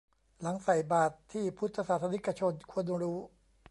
หลังใส่บาตร ที่พุทธศาสนิกชนควรรู้